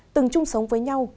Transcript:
từng chung sống với nhau